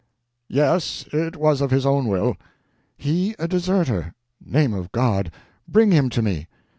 "Yes, it was of his own will." "He a deserter! Name of God! Bring him to me."